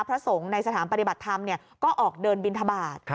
พระสงฆ์ในสถานปฏิบัติธรรมก็ออกเดินบินทบาท